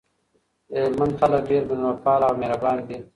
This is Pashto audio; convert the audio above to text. دهلمند خلګ ډیر میلمه پاله او مهربان دي